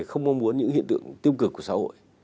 không mong muốn những hiện tượng tiêu cực của xã hội